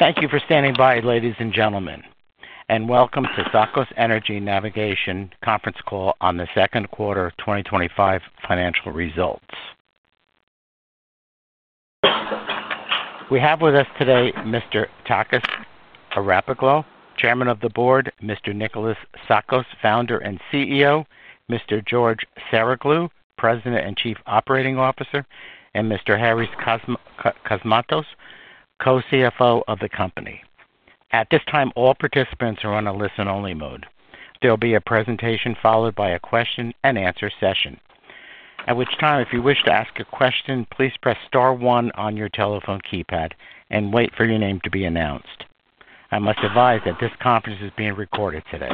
Thank you for standing by, ladies and gentlemen, and welcome to Tsakos Energy Navigation Conference Call on the Second Quarter 2025 financial results. We have with us today Mr. Takis Arapoglou, Chairman of the Board; Mr. Nikolas Tsakos, Founder and CEO; Mr. George Saroglou, President and Chief Operating Officer; and Mr. Harrys Kosmatos, Co-CFO of the company. At this time, all participants are on a listen-only mode. There will be a presentation followed by a question and answer session, at which time, if you wish to ask a question, please press star one on your telephone keypad and wait for your name to be announced. I must advise that this conference is being recorded today.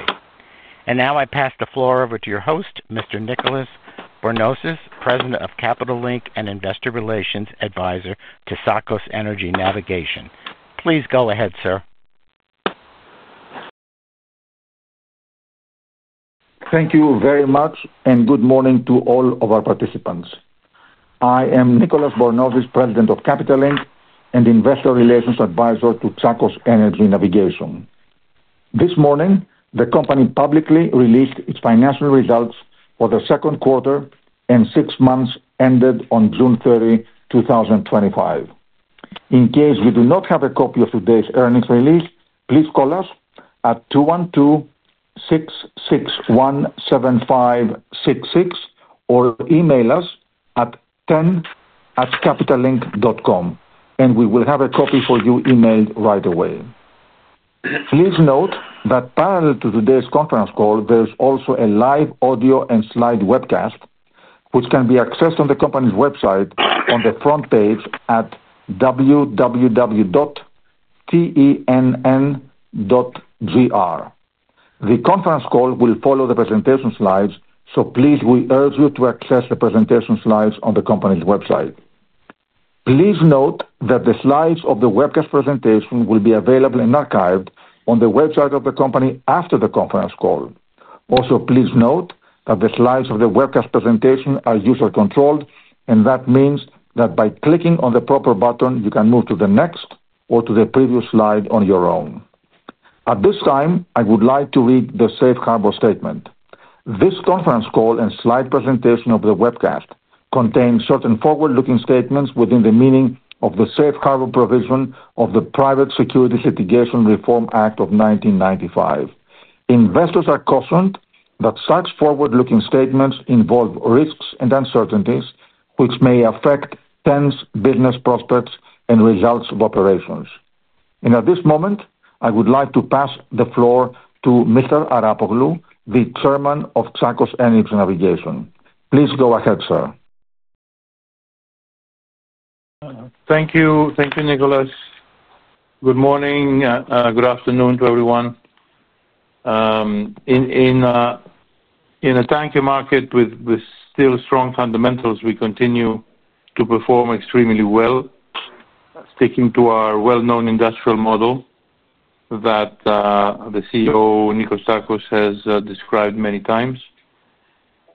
I now pass the floor over to your host, Mr. Nikolas Bornozis, President of Capital Link and Investor Relations Advisor to Tsakos Energy Navigation. Please go ahead, sir. Thank you very much, and good morning to all of our participants. I am Nikolas Bornozis, President of Capital Link and Investor Relations Advisor to Tsakos Energy Navigation. This morning, the company publicly released its financial results for the second quarter and six months ended on June 30th, 2025. In case you do not have a copy of today's earnings release, please call us at 212-661-7566 or email us at ten@capitallink.com, and we will have a copy for you emailed right away. Please note that parallel to today's conference call, there is also a live audio and slide webcast, which can be accessed on the company's website on the front page at www.ten.gr. The conference call will follow the presentation slides, so please we urge you to access the presentation slides on the company's website. Please note that the slides of the webcast presentation will be available and archived on the website of the company after the conference call. Also, please note that the slides of the webcast presentation are user-controlled, and that means that by clicking on the proper button, you can move to the next or to the previous slide on your own. At this time, I would like to read the Safe Harbor Statement. This conference call and slide presentation of the webcast contain certain forward-looking statements within the meaning of the Safe Harbor provision of the Private Securities Litigation Reform Act of 1995. Investors are cautioned that such forward-looking statements involve risks and uncertainties which may affect TEN's business prospects and results of operations. At this moment, I would like to pass the floor to Mr. Arapoglou, the Chairman of Tsakos Energy Navigation. Please go ahead, sir. Thank you. Thank you, Nikolas. Good morning. Good afternoon to everyone. In a tanker market with still strong fundamentals, we continue to perform extremely well, sticking to our well-known industrial model that the CEO, Nikolas Tsakos, has described many times,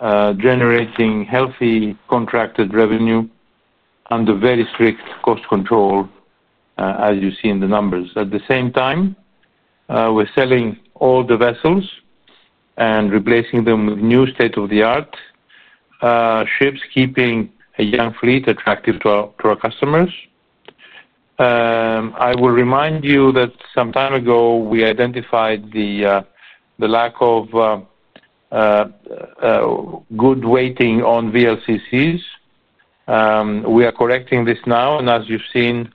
generating healthy contracted revenue under very strict cost control, as you see in the numbers. At the same time, we're selling older vessels and replacing them with new state-of-the-art ships, keeping a young fleet attractive to our customers. I will remind you that some time ago, we identified the lack of good weighting on VLCCs. We are correcting this now, and as you've seen,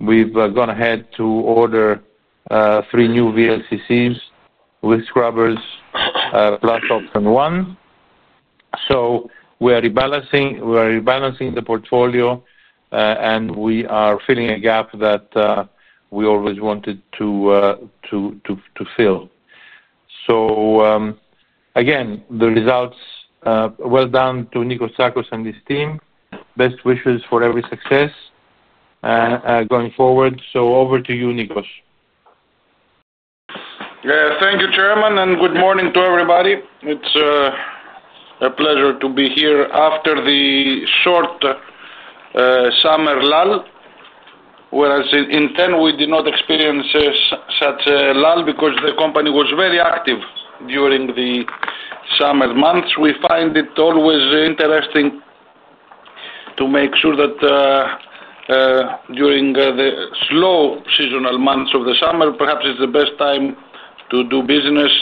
we've gone ahead to order three new VLCCs with scrubbers, plus option one. We are rebalancing the portfolio, and we are filling a gap that we always wanted to fill. The results, well done to Nikolas Tsakos and his team. Best wishes for every success going forward. Over to you, Nikolas. Thank you, Chairman, and good morning to everybody. It's a pleasure to be here after the short summer lull. Whereas in TEN, we did not experience such a lull because the company was very active during the summer months. We find it always interesting to make sure that during the slow seasonal months of the summer, perhaps it's the best time to do business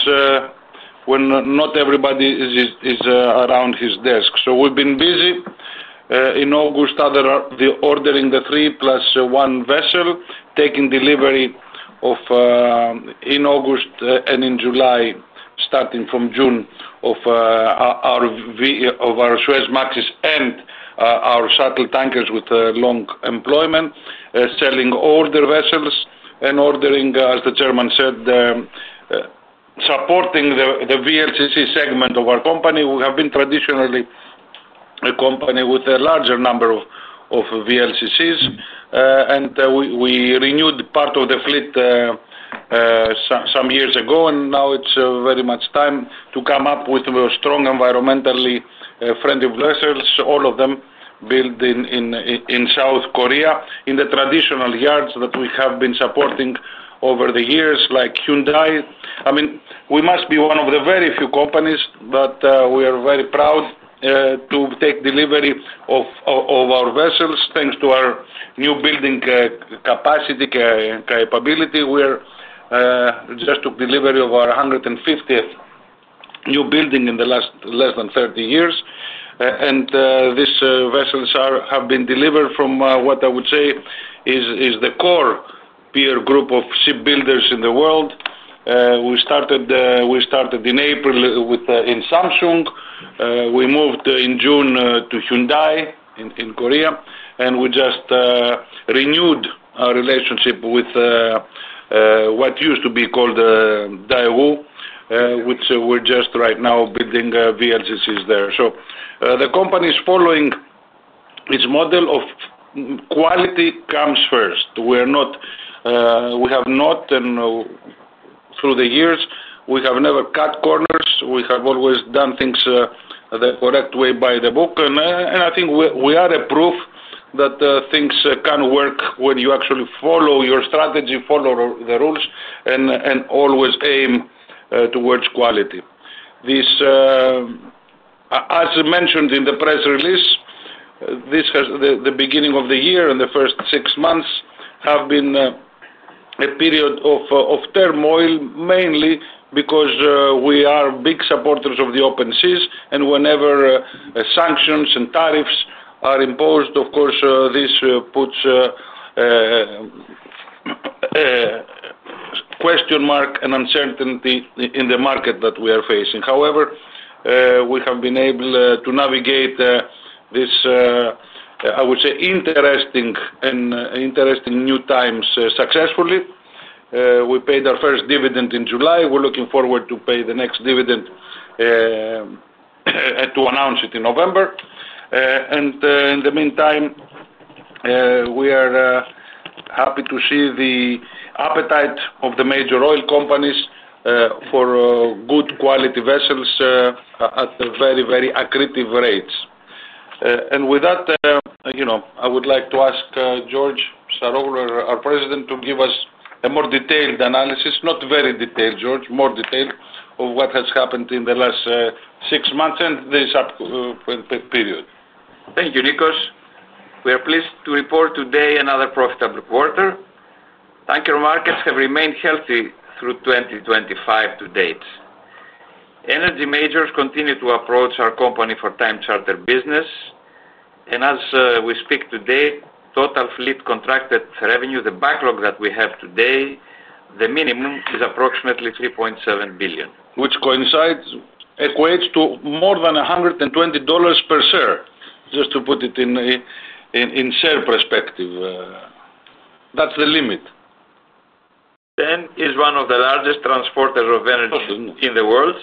when not everybody is around his desk. We've been busy. In August, ordering the three plus one vessel, taking delivery in August and in July, starting from June of our Suezmaxes and our shuttle tankers with long employment, selling older vessels and ordering, as the Chairman said, supporting the VLCC segment of our company. We have been traditionally a company with a larger number of VLCCs, and we renewed part of the fleet some years ago, and now it's very much time to come up with strong environmentally friendly vessels, all of them built in South Korea, in the traditional yards that we have been supporting over the years, like Hyundai. I mean, we must be one of the very few companies that we are very proud to take delivery of our vessels, thanks to our new building capacity capability. We just took delivery of our 150th newbuilding in the last less than 30 years. These vessels have been delivered from what I would say is the core peer group of shipbuilders in the world. We started in April in Samsung. We moved in June to Hyundai in Korea, and we just renewed our relationship with what used to be called Daewoo, which we're just right now building VLCCs there. The company is following its model of quality comes first. We have not, and through the years, we have never cut corners. We have always done things the correct way by the book. I think we are a proof that things can work when you actually follow your strategy, follow the rules, and always aim towards quality. As mentioned in the press release, the beginning of the year and the first six months have been a period of turmoil, mainly because we are big supporters of the open seas. Whenever sanctions and tariffs are imposed, of course, this puts a question mark and uncertainty in the market that we are facing. However, we have been able to navigate this, I would say, interesting and interesting new times successfully. We paid our first dividend in July. We're looking forward to paying the next dividend to announce it in November. In the meantime, we are happy to see the appetite of the major oil companies for good quality vessels at very, very accretive rates. With that, I would like to ask George V. Saroglou, our President, to give us a more detailed analysis, not very detailed, George, more detailed of what has happened in the last six months and this upcoming period. Thank you, Nikolas. We are pleased to report today another profitable quarter. Tanker markets have remained healthy through 2025 to date. Energy majors continue to approach our company for tanker charter business. As we speak today, total fleet contracted revenue, the backlog that we have today, the minimum is approximately $3.7 billion, which equates to more than $120 per share, just to put it in a share perspective. That is the limit. TEN is one of the largest transporters of energy in the world.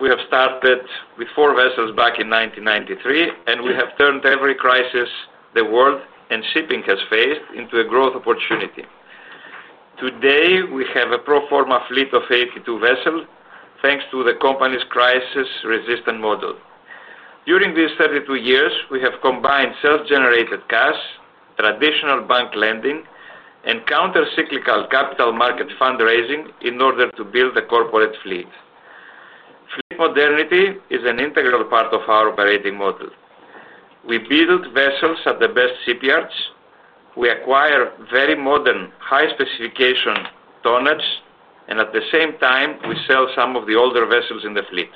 We have started with four vessels back in 1993, and we have turned every crisis the world and shipping has faced into a growth opportunity. Today, we have a pro forma fleet of 82 vessels, thanks to the company's crisis-resistant model. During these 32 years, we have combined self-generated cash, traditional bank lending, and countercyclical capital market fundraising in order to build a corporate fleet. Modernity is an integral part of our operating model. We build vessels at the best shipyards. We acquire very modern, high-specification tonnage, and at the same time, we sell some of the older vessels in the fleet.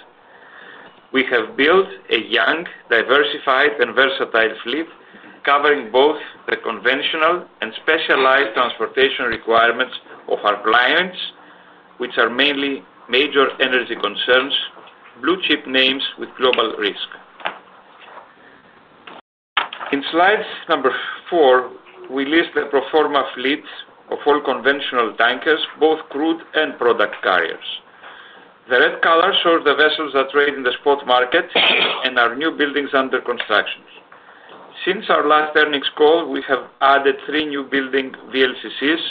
We have built a young, diversified, and versatile fleet covering both the conventional and specialized transportation requirements of our clients, which are mainly major energy concerns, blue chip names with global risk. In slide number four, we list the pro forma fleets of all conventional tankers, both crude and product carriers. The red color shows the vessels that trade in the spot market and our new buildings under construction. Since our last earnings call, we have added three new building VLCCs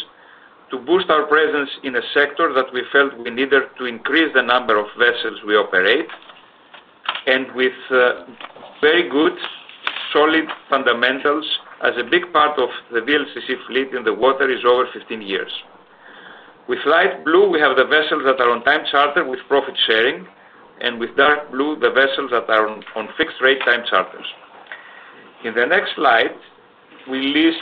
to boost our presence in a sector that we felt we needed to increase the number of vessels we operate, with very good, solid fundamentals, as a big part of the VLCC fleet in the water is over 15 years. With light blue, we have the vessels that are on tanker charter with profit sharing, and with dark blue, the vessels that are on fixed-rate tanker charters. In the next slide, we list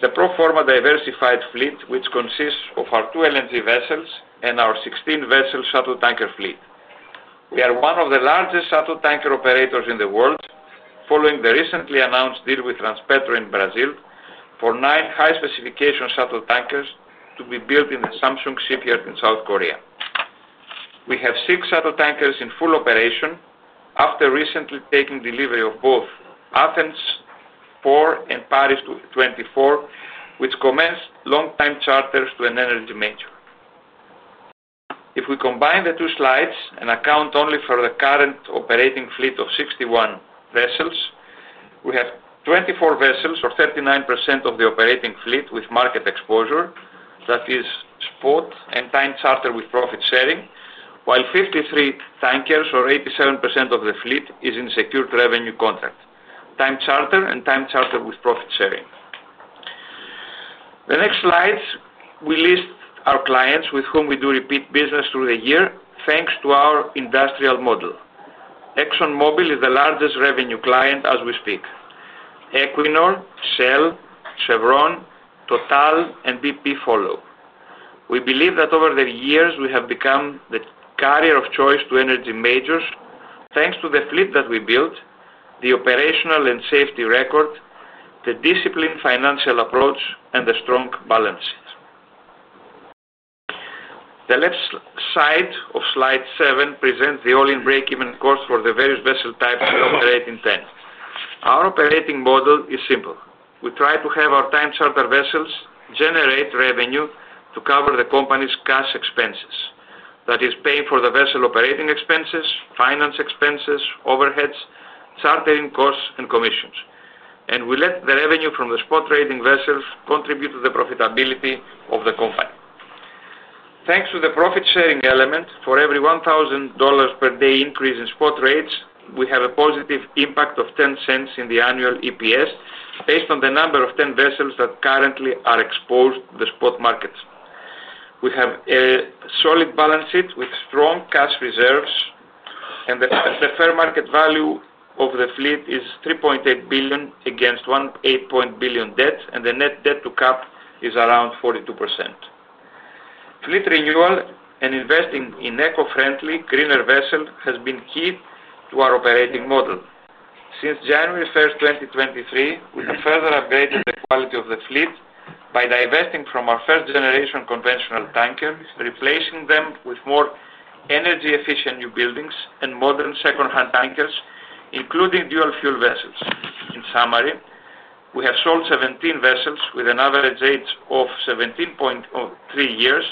the pro forma diversified fleet, which consists of our two LNG vessels and our 16-vessel shuttle tanker fleet. We are one of the largest shuttle tanker operators in the world, following the recently announced deal with Transpetro in Brazil for nine high-specification shuttle tankers to be built in the Samsung shipyard in South Korea. We have six shuttle tankers in full operation after recently taking delivery of both Athens IV and Paris 24, which commenced long-time charters to an energy major. If we combine the two slides and account only for the current operating fleet of 61 vessels, we have 24 vessels, or 39% of the operating fleet with market exposure that is spot and tanker charter with profit sharing, while 53 tankers, or 87% of the fleet, is in secured revenue contract, tanker charter and tanker charter with profit sharing. The next slide, we list our clients with whom we do repeat business through the year, thanks to our industrial model. ExxonMobil is the largest revenue client as we speak. Equinor, Shell, Chevron, Total, and BP follow. We believe that over the years, we have become the carrier of choice to energy majors, thanks to the fleet that we built, the operational and safety record, the disciplined financial approach, and the strong balances. The left side of slide seven presents the all-in break-even cost for the various vessel types we operate in TEN. Our operating model is simple. We try to have our tanker charter vessels generate revenue to cover the company's cash expenses. That is, pay for the vessel operating expenses, finance expenses, overheads, chartering costs, and commissions. We let the revenue from the spot trading vessels contribute to the profitability of the company. Thanks to the profit sharing element, for every $1,000 per day increase in spot rates, we have a positive impact of $0.10 in the annual EPS based on the number of 10 vessels that currently are exposed to the spot market. We have a solid balance sheet with strong cash reserves, and the fair market value of the fleet is $3.8 billion against $1.8 billion debt, and the net debt-to-cap is around 42%. Fleet renewal and investing in eco-friendly, greener vessels has been key to our operating model. Since January 1st, 2023, we have further upgraded the quality of the fleet by divesting from our first-generation conventional tanker, replacing them with more energy-efficient new buildings and modern second-hand tankers, including dual-fuel vessels. In summary, we have sold 17 vessels with an average age of 17.3 years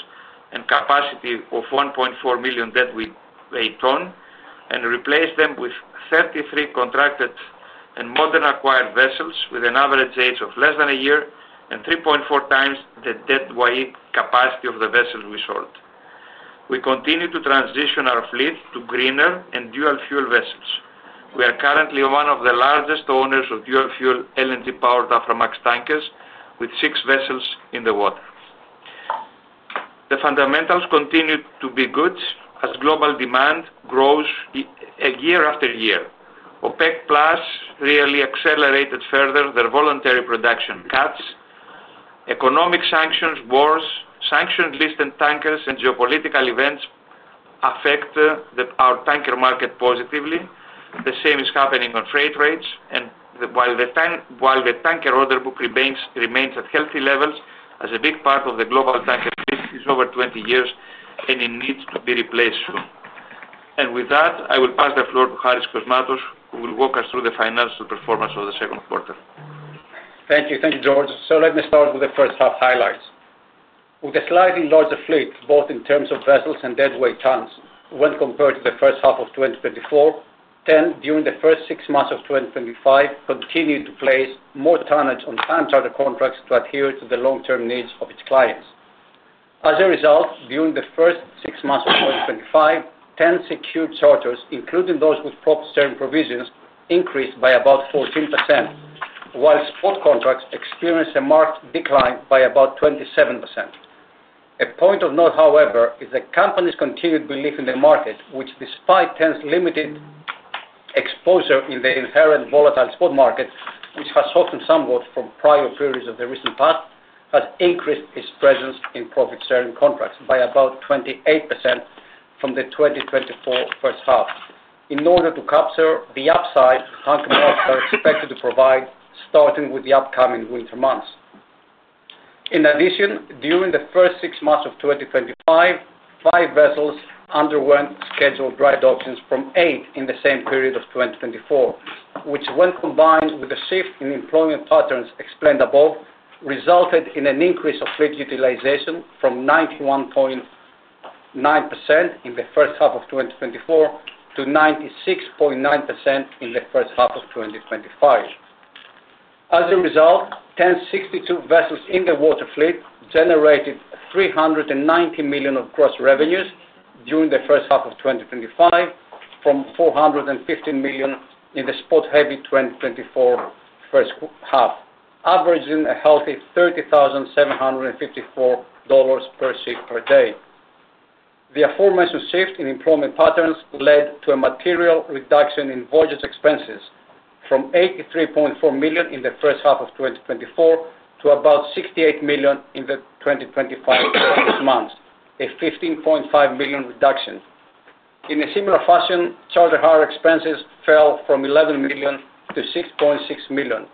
and a capacity of 1.4 million deadweight and replaced them with 33 contracted and modern acquired vessels with an average age of less than a year and 3.4x the deadweight capacity of the vessels we sold. We continue to transition our fleet to greener and dual-fuel vessels. We are currently one of the largest owners of dual-fuel LNG-powered Aframax tankers with six vessels in the water. The fundamentals continue to be good as global demand grows year after year. OPEC+ really accelerated further their voluntary production cuts. Economic sanctions, wars, sanctioned listed tankers, and geopolitical events affect our tanker market positively. The same is happening on freight rates, and while the tanker order book remains at healthy levels as a big part of the global tanker fleet, it's over 20 years and it needs to be replaced soon. With that, I will pass the floor to Harrys Kosmatos, who will walk us through the financial performance of the second quarter. Thank you. Thank you, George. Let me start with the first half highlights. With a slightly larger fleet, both in terms of vessels and deadweight tons, when compared to the first half of 2024, Tsakos Energy Navigation during the first six months of 2025 continued to place more tonnage on tanker charter contracts to adhere to the long-term needs of its clients. As a result, during the first six months of 2025, Tsakos Energy Navigation secured charters, including those with top-tier provisions, increased by about 14%, while spot contracts experienced a marked decline by about 27%. A point of note, however, is the company's continued belief in the market, which despite Tsakos Energy Navigation's limited exposure in the inherently volatile spot market, which has softened somewhat from prior periods of the recent past, has increased its presence in profit-sharing contracts by about 28% from the 2024 first half. In order to capture the upside, Tsakos Energy Navigation will expect to provide, starting with the upcoming winter months. In addition, during the first six months of 2025, five vessels underwent scheduled dry dockings from eight in the same period of 2024, which, when combined with the shift in employment patterns explained above, resulted in an increase of fleet utilization from 91.9% in the first half of 2024 to 96.9% in the first half of 2025. As a result, Tsakos Energy Navigation's 62 vessels in the water fleet generated $390 million of gross revenues during the first half of 2025, from $415 million in the spot-heavy 2024 first half, averaging a healthy $30,754 per ship per day. The aforementioned shift in employment patterns led to a material reduction in voyage expenses from $83.4 million in the first half of 2024 to about $68 million in the 2025 earliest months, a $15.5 million reduction. In a similar fashion, charter hire expenses fell from $11 million-$6.6 million,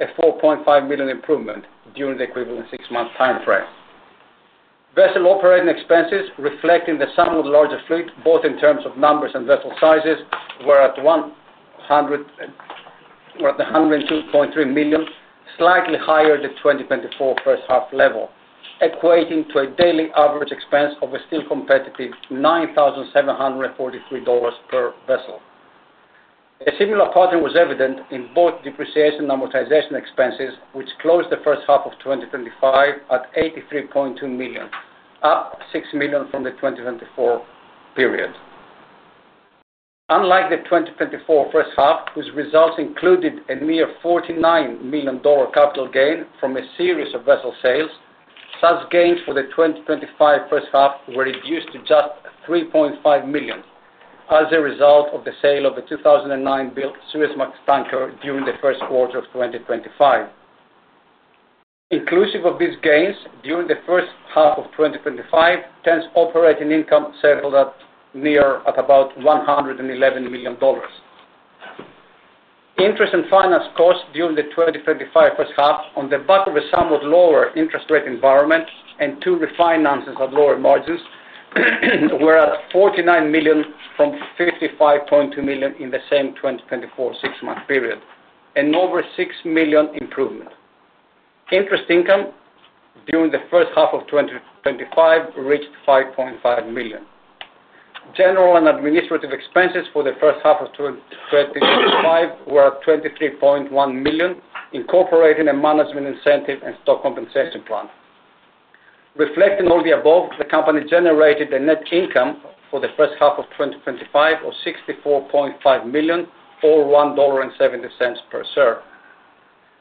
a $4.5 million improvement during the equivalent six-month timeframe. Vessel operating expenses reflecting the somewhat larger fleet, both in terms of numbers and vessel sizes, were at $102.3 million, slightly higher than the 2024 first half level, equating to a daily average expense of a still competitive $9,743 per vessel. A similar pattern was evident in both depreciation and amortization expenses, which closed the first half of 2025 at $83.2 million, up $6 million from the 2024 period. Unlike the 2024 first half, whose results included a mere $49 million capital gain from a series of vessel sales, such gains for the 2025 first half were reduced to just $3.5 million as a result of the sale of the 2009-built Suezmax tanker during the first quarter of 2025. Inclusive of these gains, during the first half of 2025, TEN's operating income settled at about $111 million. Interest and finance costs during the 2025 first half, on the back of a somewhat lower interest rate environment and two refinances at lower margins, were at $49 million from $55.2 million in the same 2024 six-month period, an over $6 million improvement. Interest income during the first half of 2025 reached $5.5 million. General and administrative expenses for the first half of 2025 were at $23.1 million, incorporating a management incentive and stock compensation plan. Reflecting all the above, the company generated a net income for the first half of 2025 of $64.5 million or $1.70 per share.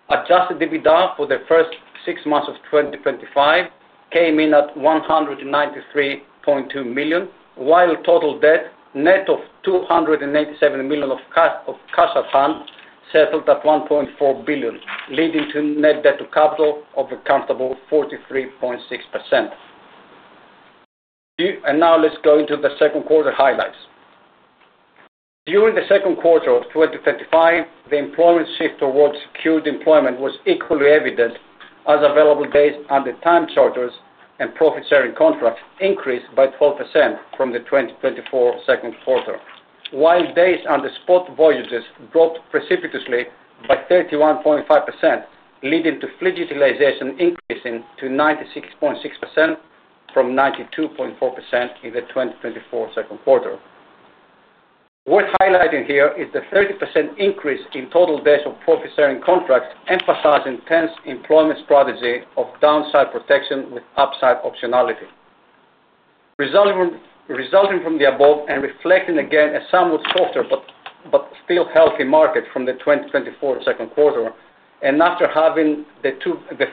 Adjusted EBITDA for the first six months of 2025 came in at $193.2 million, while total debt net of $287 million of cash account settled at $1.4 billion, leading to net debt to capital of a comfortable 43.6%. Now let's go into the second quarter highlights. During the second quarter of 2025, the employment shift towards secured employment was equally evident as available days under tanker charters and profit-sharing contracts increased by 12% from the 2024 second quarter, while days under spot voyages dropped precipitously by 31.5%, leading to fleet utilization increasing to 96.6% from 92.4% in the 2024 second quarter. Worth highlighting here is the 30% increase in total days of profit-sharing contracts, emphasizing TEN's employment strategy of downside protection with upside optionality. Resulting from the above and reflecting again a somewhat softer but still healthy market from the 2024 second quarter, and after having the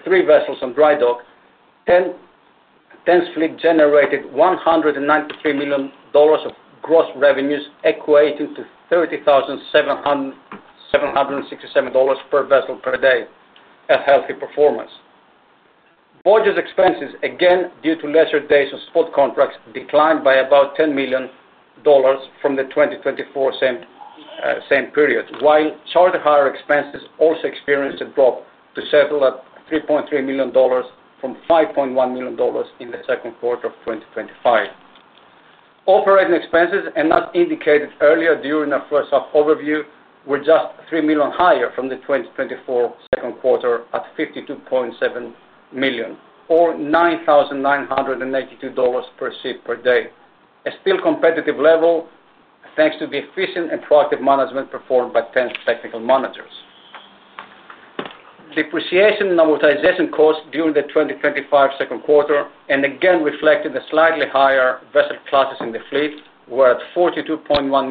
three vessels on dry dock, TEN's fleet generated $193 million of gross revenues, equating to $30,767 per vessel per day at healthy performance. Voyage expenses, again due to lesser days on spot contracts, declined by about $10 million from the 2024 same period, while charter hire expenses also experienced a drop to settle at $3.3 million from $5.1 million in the second quarter of 2025. Operating expenses, and as indicated earlier during our first half overview, were just $3 million higher from the 2024 second quarter at $52.7 million or $9,982 per ship per day, a still competitive level thanks to the efficient and proactive management performed by TEN's technical managers. Depreciation and amortization costs during the 2025 second quarter, and again reflecting the slightly higher vessel classes in the fleet, were at $42.1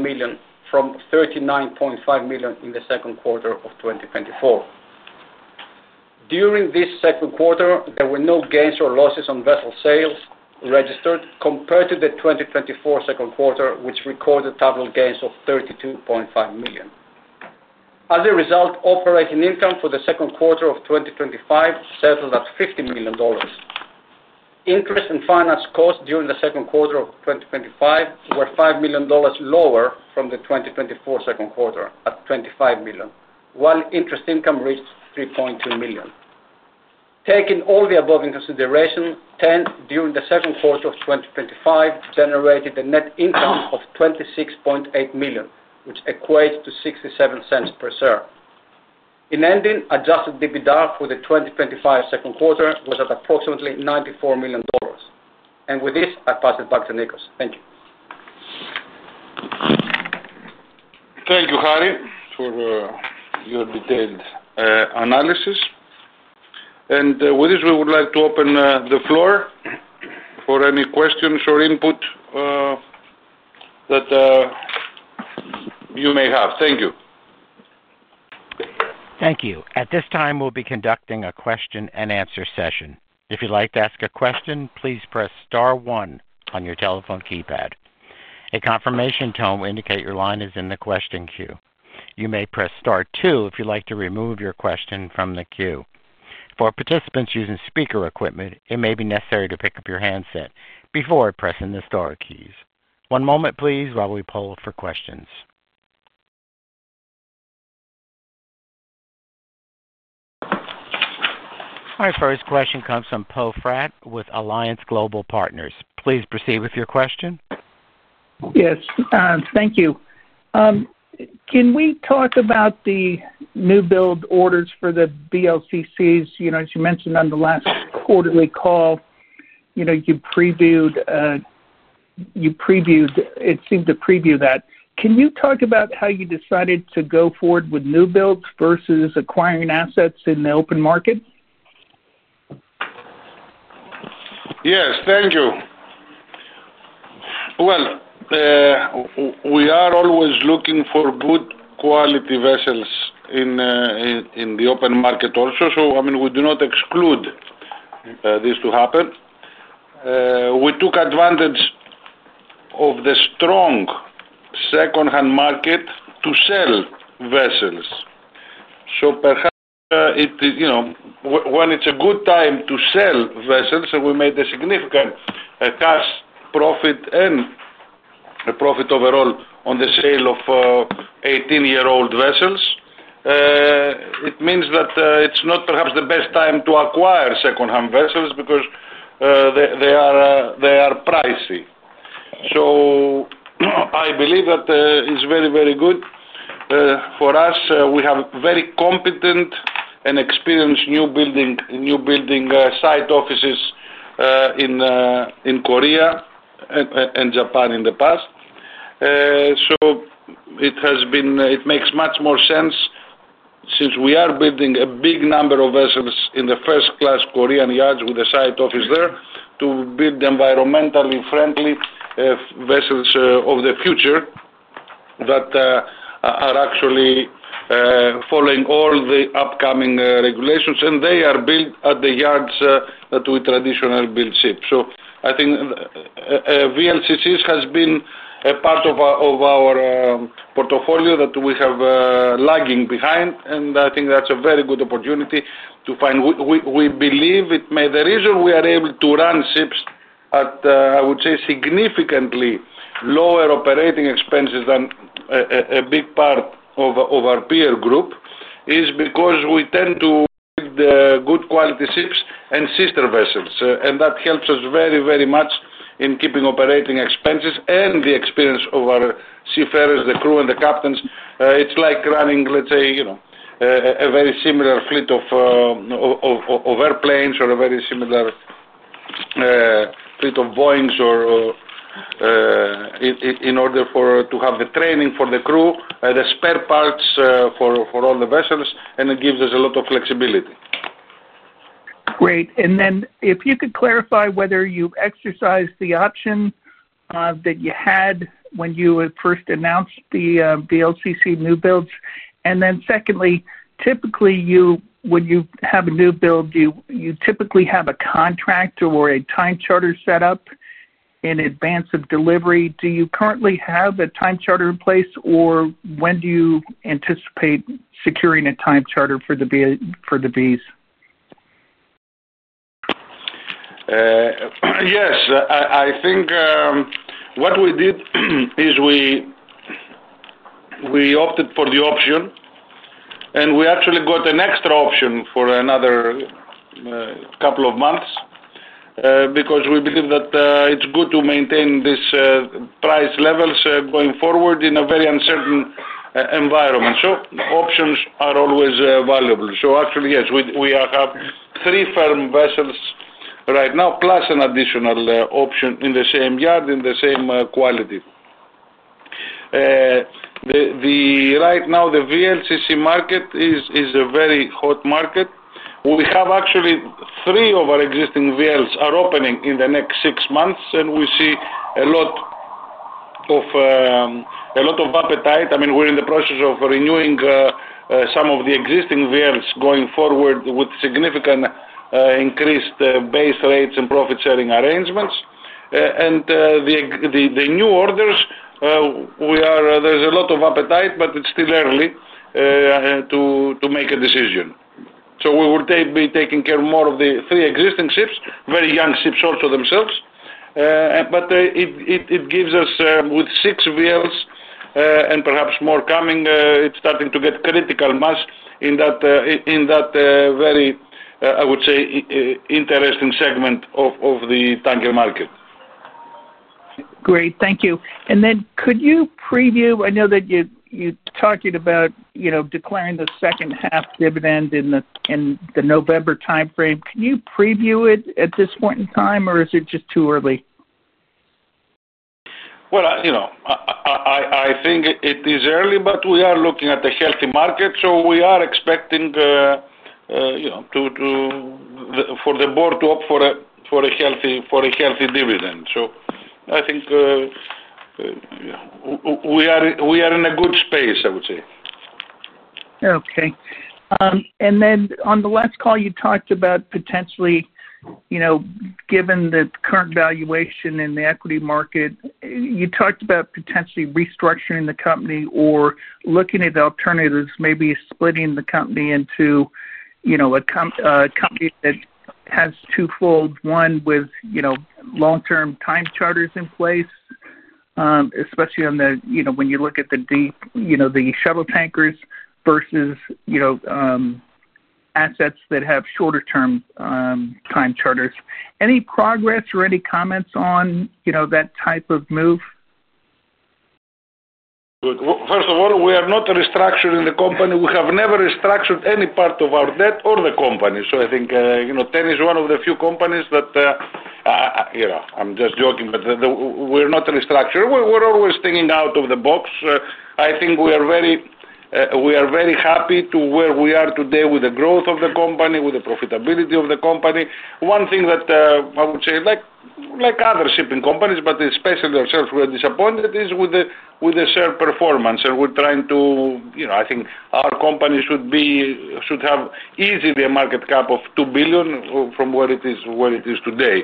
million from $39.5 million in the second quarter of 2024. During this second quarter, there were no gains or losses on vessel sales registered compared to the 2024 second quarter, which recorded total gains of $32.5 million. As a result, operating income for the second quarter of 2025 settled at $50 million. Interest and finance costs during the second quarter of 2025 were $5 million lower from the 2024 second quarter at $25 million, while interest income reached $3.2 million. Taking all the above in consideration, TEN during the second quarter of 2025 generated a net income of $26.8 million, which equates to $0.67 per share. In ending, adjusted EBITDA for the 2025 second quarter was at approximately $94 million. With this, I pass it back to Nikos. Thank you. Thank you, Harry, for your detailed analysis. With this, we would like to open the floor for any questions or input that you may have. Thank you. Thank you. At this time, we'll be conducting a question and answer session. If you'd like to ask a question, please press star one on your telephone keypad. A confirmation tone will indicate your line is in the question queue. You may press star two if you'd like to remove your question from the queue. For participants using speaker equipment, it may be necessary to pick up your handset before pressing the star keys. One moment, please, while we pull for questions. Our first question comes from Poe Fratt with Alliance Global Partners. Please proceed with your question. Yes. Thank you. Can we talk about the new build orders for the VLCCs? As you mentioned on the last quarterly call, you previewed, it seemed to preview that. Can you talk about how you decided to go forward with new builds versus acquiring assets in the open market? Yes, thank you. We are always looking for good quality vessels in the open market also. I mean, we do not exclude this to happen. We took advantage of the strong second-hand market to sell vessels. Perhaps, you know, when it's a good time to sell vessels, and we made a significant cash profit and a profit overall on the sale of 18-year-old vessels, it means that it's not perhaps the best time to acquire second-hand vessels because they are pricey. I believe that it's very, very good for us. We have very competent and experienced new building site offices in Korea and Japan in the past. It makes much more sense since we are building a big number of vessels in the first-class Korean yards with a site office there to build environmentally friendly vessels of the future that are actually following all the upcoming regulations, and they are built at the yards that we traditionally build ships. I think VLCCs have been a part of our portfolio that we have lagging behind, and I think that's a very good opportunity to find. We believe it may be the reason we are able to run ships at, I would say, significantly lower operating expenses than a big part of our peer group is because we tend to build good quality ships and sister vessels, and that helps us very, very much in keeping operating expenses and the experience of our seafarers, the crew, and the captains. It's like running, let's say, you know, a very similar fleet of airplanes or a very similar fleet of Boeings in order to have the training for the crew, the spare parts for all the vessels, and it gives us a lot of flexibility. Great. If you could clarify whether you've exercised the option that you had when you first announced the VLCC new builds. Secondly, typically, when you have a new build, you typically have a contractor or a tanker charter set up in advance of delivery. Do you currently have a tanker charter in place, or when do you anticipate securing a tanker charter for the B's? Yes. I think what we did is we opted for the option, and we actually got an extra option for another couple of months because we believe that it's good to maintain these price levels going forward in a very uncertain environment. Options are always valuable. Actually, yes, we have three firm vessels right now, plus an additional option in the same yard in the same quality. Right now, the VLCC market is a very hot market. We have actually three of our existing VLCCs opening in the next six months, and we see a lot of appetite. We're in the process of renewing some of the existing VLCCs going forward with significant increased base rates and profit-sharing arrangements. The new orders, there's a lot of appetite, but it's still early to make a decision. We would be taking care of more of the three existing ships, very young ships also themselves. It gives us, with six VLs and perhaps more coming, it's starting to get critical mass in that very, I would say, interesting segment of the tanker market. Great. Thank you. Could you preview, I know that you're talking about declaring the second half dividend in the November timeframe. Can you preview it at this point in time, or is it just too early? I think it is early, but we are looking at a healthy market. We are expecting, you know, for the board to opt for a healthy dividend. I think we are in a good space, I would say. Okay. On the last call, you talked about potentially, you know, given the current valuation in the equity market, you talked about potentially restructuring the company or looking at alternatives, maybe splitting the company into, you know, a company that has twofold, one with, you know, long-term tanker charters in place, especially when you look at the deep, you know, the shuttle tankers versus assets that have shorter-term tanker charters. Any progress or any comments on that type of move? First of all, we are not restructuring the company. We have never restructured any part of our debt or the company. I think, you know, Tsakos Energy Navigation is one of the few companies that, you know, I'm just joking, but we're not restructuring. We're always thinking out of the box. I think we are very happy to where we are today with the growth of the company, with the profitability of the company. One thing that I would say, like other shipping companies, but especially ourselves, we are disappointed is with the share performance. We're trying to, you know, I think our company should have easily a market cap of $2 billion from where it is today.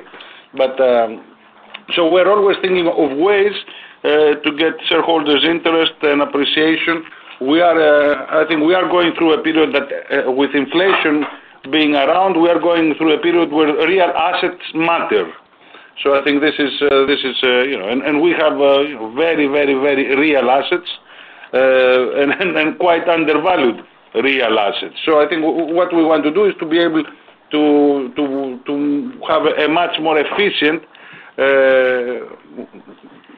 We're always thinking of ways to get shareholders' interest and appreciation. I think we are going through a period that, with inflation being around, we are going through a period where real assets matter. I think this is, you know, and we have very, very, very real assets and quite undervalued real assets. I think what we want to do is to be able to have a much more efficient,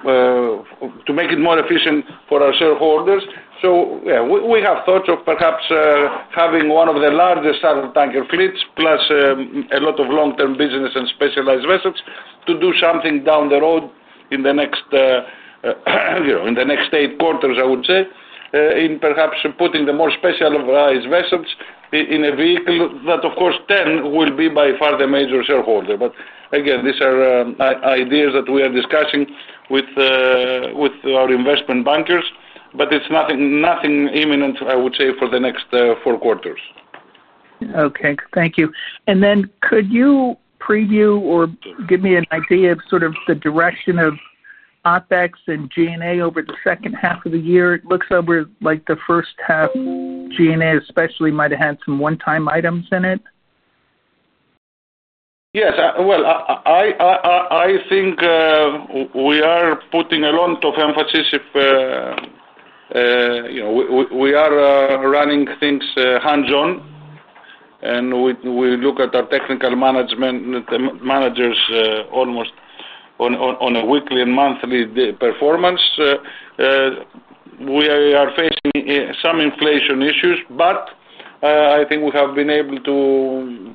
to make it more efficient for our shareholders. We have thoughts of perhaps having one of the largest tanker fleets plus a lot of long-term business and specialized vessels to do something down the road in the next eight quarters, I would say, in perhaps putting the more specialized vessels in a vehicle that, of course, Tsakos Energy Navigation will be by far the major shareholder. Again, these are ideas that we are discussing with our investment bankers. It's nothing imminent, I would say, for the next four quarters. Okay. Thank you. Could you preview or give me an idea of the direction of OpEx and G&A over the second half of the year? It looks like the first half, G&A especially, might have had some one-time items in it. Yes. I think we are putting a lot of emphasis. We are running things hands-on, and we look at our technical management managers almost on a weekly and monthly performance. We are facing some inflation issues, but I think we have been able to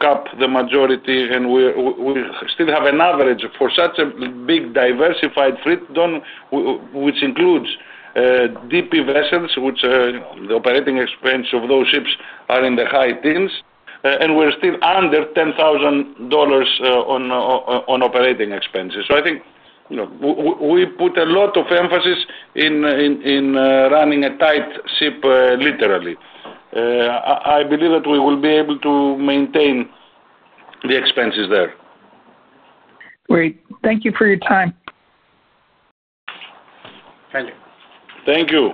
cap the majority, and we still have an average for such a big diversified fleet, which includes deep vessels, which the operating expense of those ships are in the high teens, and we're still under $10,000 on operating expenses. I think, you know, we put a lot of emphasis in running a tight ship, literally. I believe that we will be able to maintain the expenses there. Great. Thank you for your time. Thank you. Thank you.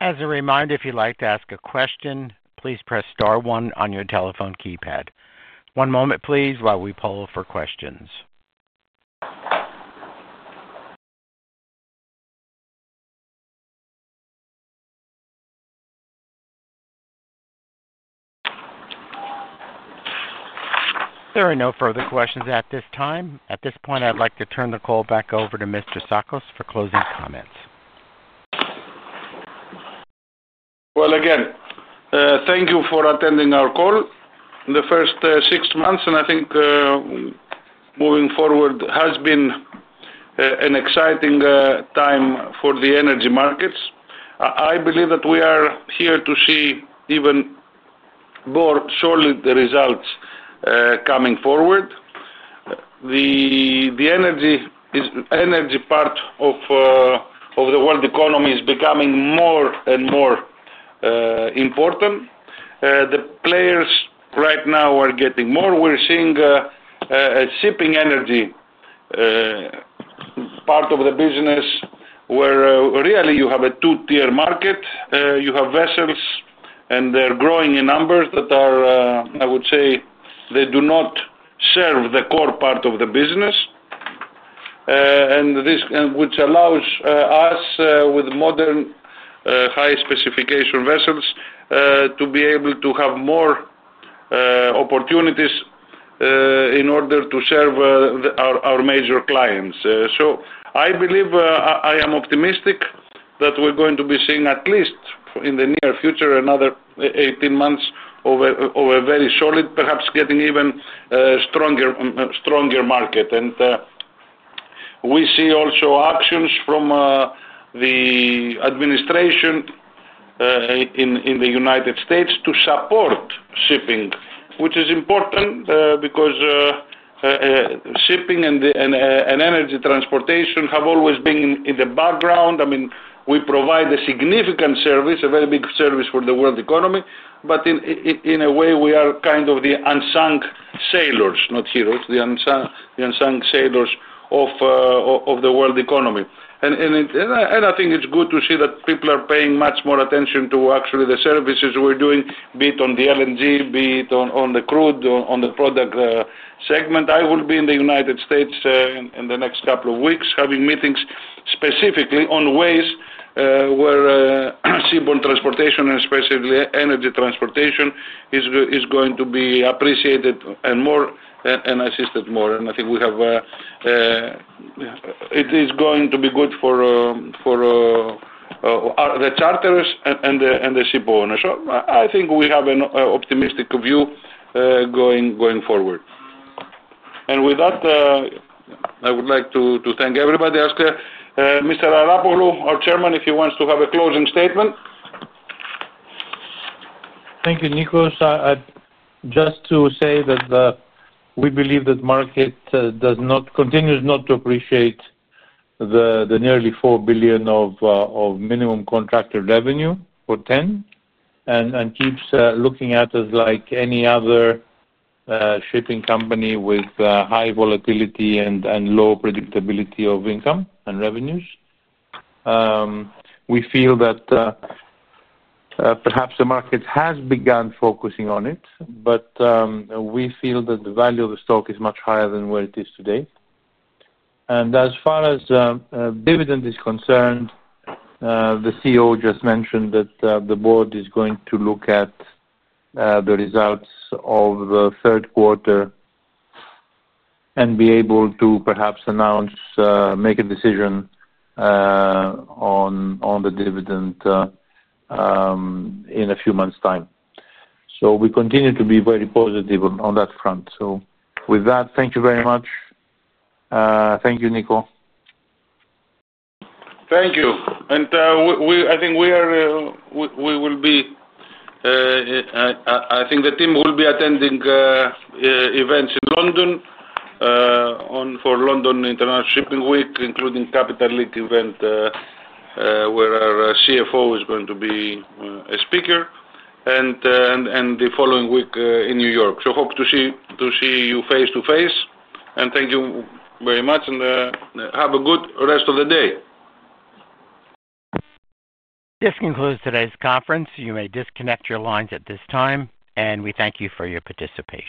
As a reminder, if you'd like to ask a question, please press star one on your telephone keypad. One moment, please, while we poll for questions. There are no further questions at this time. At this point, I'd like to turn the call back over to Mr. Tsakos for closing comments. Thank you for attending our call in the first six months. I think moving forward has been an exciting time for the energy markets. I believe that we are here to see even more solid results coming forward. The energy part of the world economy is becoming more and more important. The players right now are getting more. We're seeing a shipping energy part of the business where really you have a two-tier market. You have vessels, and they're growing in numbers that are, I would say, they do not serve the core part of the business, which allows us with modern high-specification vessels to be able to have more opportunities in order to serve our major clients. I believe I am optimistic that we're going to be seeing at least in the near future another 18 months of a very solid, perhaps getting even stronger market. We see also actions from the administration in the United States to support shipping, which is important because shipping and energy transportation have always been in the background. I mean, we provide a significant service, a very big service for the world economy, but in a way, we are kind of the unsung sailors, not heroes, the unsung sailors of the world economy. I think it's good to see that people are paying much more attention to actually the services we're doing, be it on the LNG, be it on the crude, on the product segment. I will be in the United States in the next couple of weeks having meetings specifically on ways where seaboard transportation and especially energy transportation is going to be appreciated and more and assisted more. I think we have, it is going to be good for the charters and the shipowner. I think we have an optimistic view going forward. With that, I would like to thank everybody. I'll ask Mr. Arapoglou, our Chairman, if he wants to have a closing statement. Thank you, Nikos. Just to say that we believe that the market does not continue to appreciate the nearly $4 billion of minimum contracted revenue for TEN and keeps looking at us like any other shipping company with high volatility and low predictability of income and revenues. We feel that perhaps the market has begun focusing on it, but we feel that the value of the stock is much higher than where it is today. As far as dividend is concerned, the CEO just mentioned that the Board is going to look at the results of the third quarter and be able to perhaps announce, make a decision on the dividend in a few months' time. We continue to be very positive on that front. Thank you very much. Thank you, Nikos. Thank you. I think the team will be attending events in London for London International Shipping Week, including the Capital Link event where our CFO is going to be a speaker, and the following week in New York. Hope to see you face to face. Thank you very much, and have a good rest of the day. This concludes today's conference. You may disconnect your lines at this time, and we thank you for your participation.